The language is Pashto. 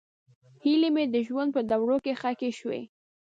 هیلې مې د ژوند په دوړو کې ښخې شوې.